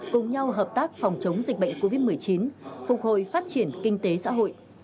cùng nhau hợp tác phòng chống dịch bệnh covid một mươi chín phục hồi phát triển kinh tế xã hội